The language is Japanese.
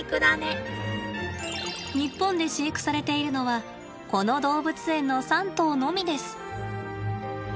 日本で飼育されているのはこの動物園の３頭のみです。